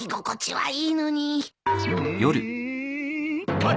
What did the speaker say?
はい。